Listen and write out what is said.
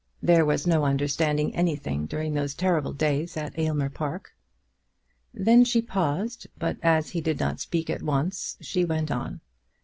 There was no understanding anything during those terrible days at Aylmer Park." Then she paused, but as he did not speak at once she went on.